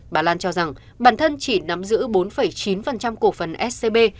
bà lan cho rằng bản thân chỉ nắm giữ bốn chín cổ phần scb